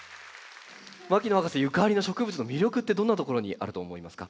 牧野博士ゆかりの植物の魅力ってどんなところにあると思いますか？